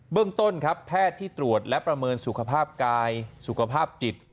เรื่องต้นครับแพทย์ที่ตรวจและประเมินสุขภาพกายสุขภาพจิต